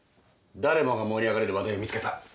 誰もが盛り上がれる話題を見つけた。